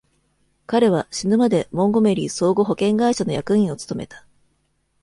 彼は死ぬまでモンゴメリー相互保険会社の役員を務めた。